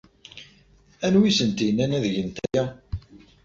Anwa ay asent-yennan ad gent aya?